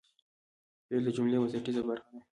فعل د جملې بنسټیزه برخه ده.